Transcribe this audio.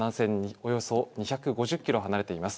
およそ２５０キロ離れています。